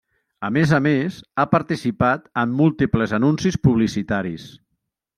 A més a més, ha participat en múltiples anuncis publicitaris.